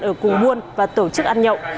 ở cùng buôn và tổ chức ăn nhậu